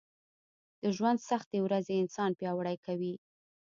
د ژونــد سختې ورځې انـسان پـیاوړی کوي